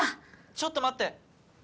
ちょっと待って。